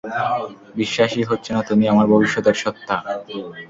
বিশ্বাসই হচ্ছে না তুমি আমার ভবিষ্যতের সত্তা।